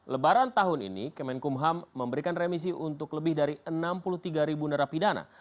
lebaran tahun ini kemenkum ham memberikan remisi untuk lebih dari enam puluh tiga narapidana